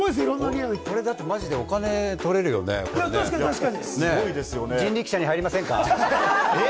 これでお金取れるよね、人力舎に入りませんか？